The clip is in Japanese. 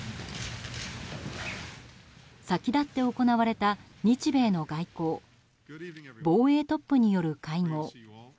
先立って行われた日米の外交防衛トップによる会合。